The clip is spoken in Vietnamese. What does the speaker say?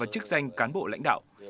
chức danh cán bộ lãnh đạo